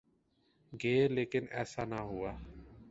گے لیکن ایسا نہ ہوا۔